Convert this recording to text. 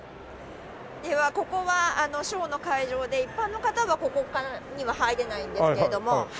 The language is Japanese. ではここはショーの会場で一般の方はここには入れないんですけれども。